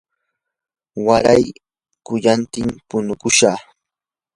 waray quyatim punukushaq.